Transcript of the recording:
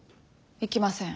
行きません。